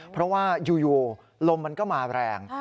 เพราะว่าอยู่ลมมันก็มาแรง